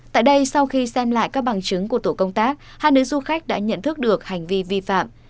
tại đây sau khi xem lại các bằng chứng của tổ công tác hai nữ du khách đã nhận thức được hành vi vi phạm